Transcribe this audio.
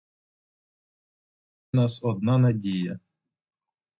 Веде нас одна надія.